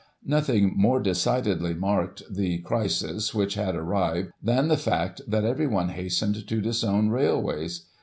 "Nothing more decidedly marked the crisis which had arrived, than the fact that everyone hastened to disown rail ways.